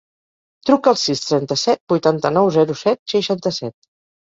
Truca al sis, trenta-set, vuitanta-nou, zero, set, seixanta-set.